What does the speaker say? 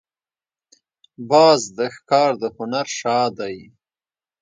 باز د ښکار د هنر شاه دی